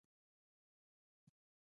د دولت خزانه ډکه ده؟